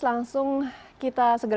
langsung kita segera berbicara